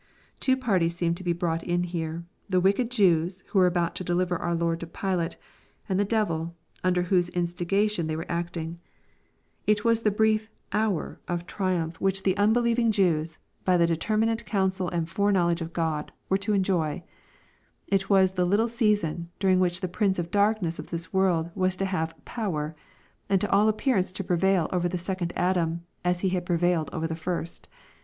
] Two parties seem to be brought in here, — the wicked Jews, vho were about to deliver our Lord to Pilate, and the devil, under whose instigation they weire acting. It was the brief "hour'* of triumph which tha LUKE, CHAP. XXII. 435 unbelieving Jews, by the determinate counsel and foreknowledge of Qod, were to enjoy. It was the little season, during which the prince of the darkness of this world was to have " power," and to all appearance to prevail over the second Adam, as he had prevailed over the first.